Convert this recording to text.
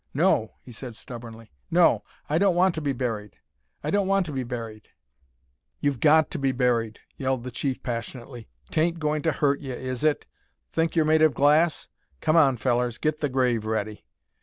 "No!" he said, stubbornly. "No! I don't want to be buried! I don't want to be buried!" [Illustration: THE FUNERAL ORATION] "You've got to be buried!" yelled the chief, passionately. "'Tain't goin' to hurt ye, is it? Think you're made of glass? Come on, fellers, get the grave ready!"